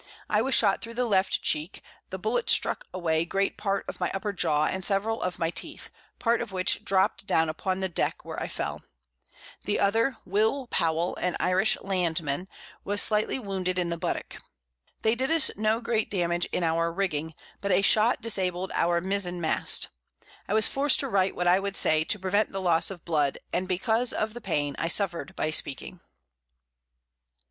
I was shot thro' the Left Cheek, the Bullet struck away great part of my upper Jaw, and several of my Teeth, part of which dropt down upon the Deck, where I fell; the other, Will. Powell, an Irish Land man, was slightly wounded in the Buttock. They did us no great Damage in our Rigging, but a shot disabled our Mizen Mast. I was forced to write what I would say, to prevent the Loss of Blood, and because of the Pain I suffer'd by speaking.